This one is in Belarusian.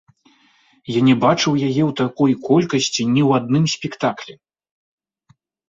Я не бачыў яе ў такой колькасці ні ў адным спектаклі.